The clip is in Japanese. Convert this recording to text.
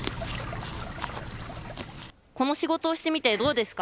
この仕事をしてみてどうですか？